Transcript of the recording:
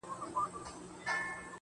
• زه په دې افتادګۍ کي لوی ګَړنګ یم.